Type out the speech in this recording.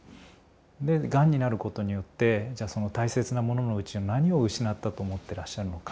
でがんになることによってその大切なもののうちの何を失ったと思ってらっしゃるのか。